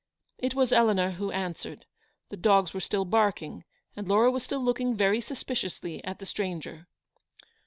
It was Eleanor who answered. The dogs were still barking, and Laura was still looking very suspiciously at the stranger.